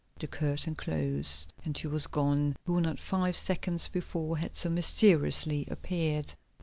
The curtain closed and she was gone, who not five seconds before had so mysteriously appeared.